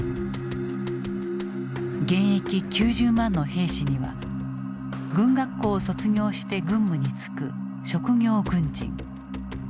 現役９０万の兵士には軍学校を卒業して軍務に就く職業軍人。